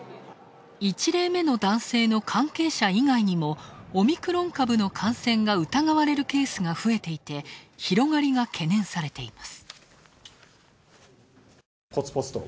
１例目の男性の関係者以外にもオミクロン株の感染が疑われるケースが増えていて広がりが懸念されています。